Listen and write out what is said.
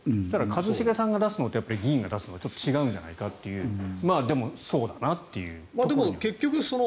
一茂さんが出すのと議員が出すのは違うんじゃないかというでも、そうだなという。